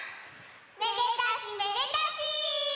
めでたしめでたし！